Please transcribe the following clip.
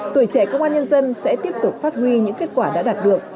tuổi trẻ công an nhân dân sẽ tiếp tục phát huy những kết quả đã đạt được